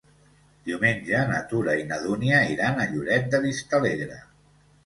Diumenge na Tura i na Dúnia iran a Lloret de Vistalegre.